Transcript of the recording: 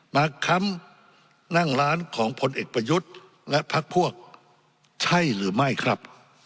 ค้ำนั่งร้านของผลเอกประยุทธ์และพักพวกใช่หรือไม่ครับ